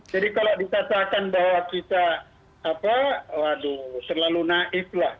jadi kalau ditatakan bahwa kita selalu naif lah